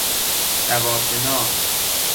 دوا شناس